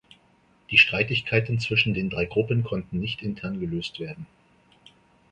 Die Streitigkeiten zwischen den drei Gruppen konnten nicht intern gelöst werden.